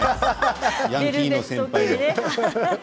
ヤンキーの先輩に。